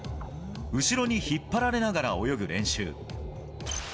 後ろに引っ張られながら泳ぐ練習。